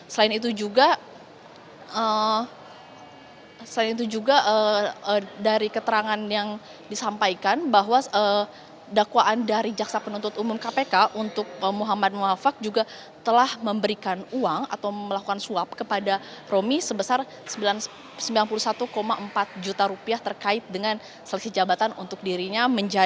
selain itu juga dari keterangan yang disampaikan bahwa dakwaan dari jaksa penuntut umum kpk untuk muhammad muhafak juga telah memberikan uang atau melakukan suap kepada romi sebesar rp sembilan puluh satu empat juta terkait dengan seleksi jabatan untuk dirinya